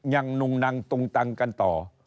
นุ่งนังตุงตังกันต่อ